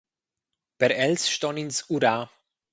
Per els ston ins urar.